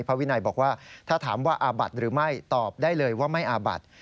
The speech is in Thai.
วินัยบอกว่าถ้าถามว่าอาบัดหรือไม่ตอบได้เลยว่าไม่อาบัด